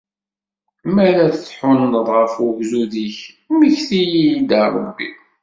Mi ara tḥunneḍ ɣef ugdud-ik, mmekti-yi-d, a Rebbi!